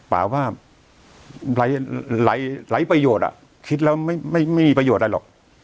ป่าว่าหลายประโยชน์คิดแล้วไม่มีประโยชน์อะไรหรอก